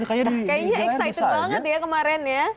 kayaknya excited banget ya kemarin ya